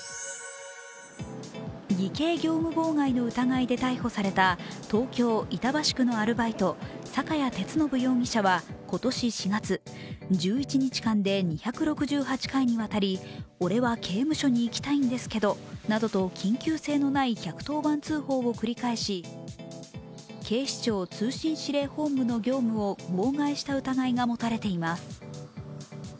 偽計業務妨害の疑いで逮捕された東京・板橋区のアルバイト坂屋哲伸容疑者は今年４月、１１日間で２６８回にわたり「俺は刑務所に行きたいんですけど」などと１１０番通報を繰り返し、警視庁通信指令本部の業務を妨害した疑いが持たれています。